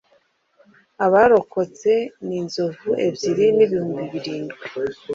abarokotse ni inzovu ebyiri n’ibihumbi birindwi